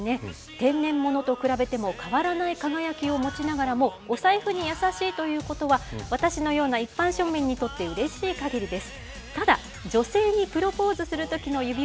天然物と比べても変わらない輝きを持ちながらも、お財布にやさしいということは、私のような一般庶民にとってうれしいかぎりです。